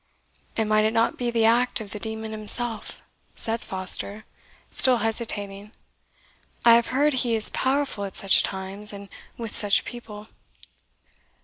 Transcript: "And might it not be the act of the demon himself?" said Foster, still hesitating; "I have heard he is powerful at such times, and with such people."